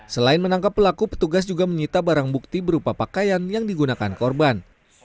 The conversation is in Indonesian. selain menangkap pelaku petugas juga menyita barang bukti berupa pakaian yang digunakan korban